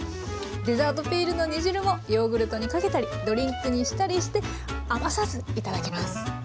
デザートピールの煮汁もヨーグルトにかけたりドリンクにしたりして余さず頂けます。